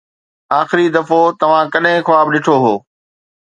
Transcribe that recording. آخري دفعو توهان ڪڏهن خواب ڏٺو هو؟